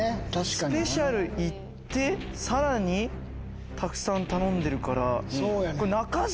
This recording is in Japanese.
スペシャルメニュー行ってさらにたくさん頼んでるから。